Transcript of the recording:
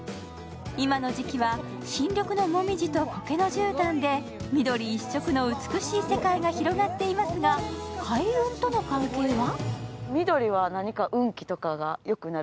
今の時期は新緑のもみじと苔のじゅうたんで緑一色の美しい世界が広がっていますが、開運との関係は。